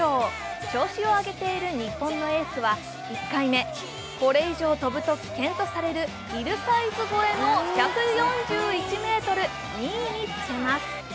調子を上げている日本のエースは１回目、これ以上飛ぶと危険とされるヒルサイズ越えの１４１ｍ２位につけます。